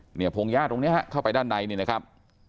เนี่ยพงญาตรงนี้ฮะเข้าไปด้านในเนี่ยนะครับ